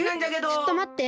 ちょっとまって！